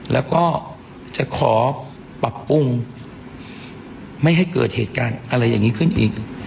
แล้วก็จะขอปรับปรุงไม่ให้เกิดเหตุการณ์อะไรอย่างนี้ขึ้นอีก